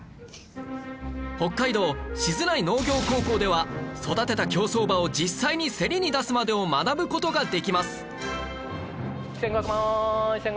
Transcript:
北海道静内農業高校では育てた競走馬を実際にセリに出すまでを学ぶ事ができます